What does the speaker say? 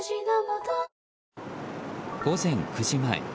午前９時前。